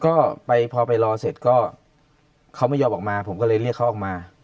ก็ไปพอไปรอเสร็จก็เขาไม่ยอมออกมาผมก็เลยเรียกเขาออกมา